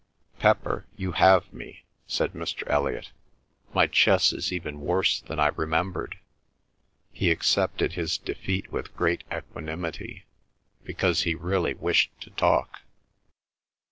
"Pepper, you have me," said Mr. Elliot. "My chess is even worse than I remembered." He accepted his defeat with great equanimity, because he really wished to talk.